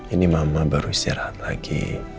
ini mama baru istirahat lagi